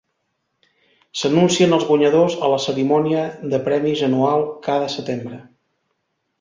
S'anuncien els guanyadors a la cerimònia de premis anual cada setembre.